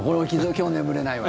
今日眠れないわ。